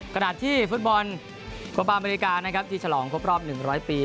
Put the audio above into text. กระดาษที่ฟุตบอลประมาณอเมริกานะครับที่ฉลองครบรอบหนึ่งร้อยปี